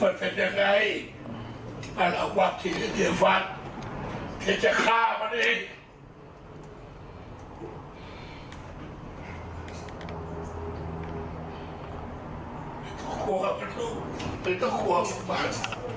เดี๋ยวเทศจะฆ่ากันเลย